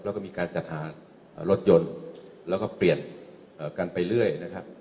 แล้วก็มีการจัดหารถยนต์แล้วก็เปลี่ยนกันไปเรื่อยนะครับ